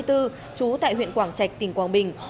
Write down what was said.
trú tại huyện quảng trạch tỉnh quảng bình